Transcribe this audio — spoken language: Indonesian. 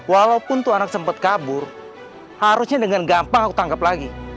walaupun tuan ar sempet kabur harusnya dengan gampang aku tangkap lagi